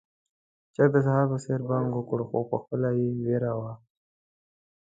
چرګ د سهار په څېر بانګ وکړ، خو پخپله يې وېره وه.